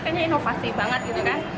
kayaknya inovasi banget gitu kan